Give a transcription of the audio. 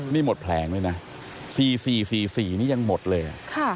นี่หมดแผลงด้วยนะ๔๔๔๔นี่ยังหมดเลย